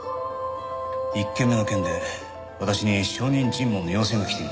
１件目の件で私に証人尋問の要請が来ています。